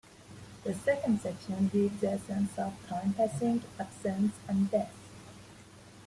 The second section gives a sense of time passing, absence, and death.